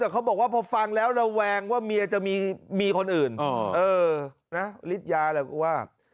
แต่เขาบอกว่าพอฟังแล้วระแวงว่าเมียจะมีคนอื่นเออนะฤทธิยาแหละกูว่า